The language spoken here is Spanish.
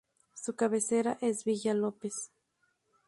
Su cabecera es Villa López.